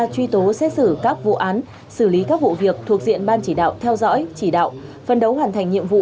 truy tố xét xử các vụ án xử lý các vụ việc thuộc diện ban chỉ đạo theo dõi chỉ đạo phân đấu hoàn thành nhiệm vụ